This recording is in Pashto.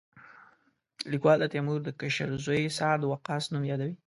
لیکوال د تیمور د کشر زوی سعد وقاص نوم یادوي.